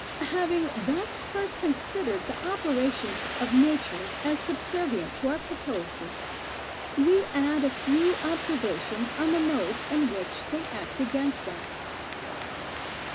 Having thus first considered the operations of nature as subservient to our proposes, we add a few observations on the modes in which they act against us.